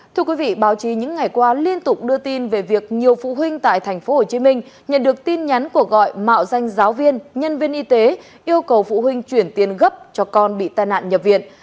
thưa quý vị báo chí những ngày qua liên tục đưa tin về việc nhiều phụ huynh tại tp hcm nhận được tin nhắn của gọi mạo danh giáo viên nhân viên y tế yêu cầu phụ huynh chuyển tiền gấp cho con bị tai nạn nhập viện